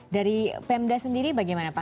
dari pemda sendiri bagaimana pak